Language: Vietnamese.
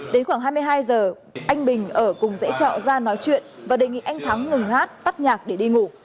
đến khoảng hai mươi hai giờ anh bình ở cùng dãy trọ ra nói chuyện và đề nghị anh thắng ngừng hát tắt nhạc để đi ngủ